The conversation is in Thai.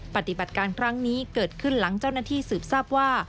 ปฏิบัติการครั้งนี้เกิดขึ้นหลังเจ้าหน้าที่สืบทราบว่า